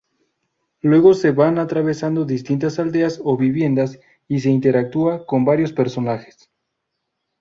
Luego se van atravesando distintas aldeas o viviendas y se interactúa con varios personajes.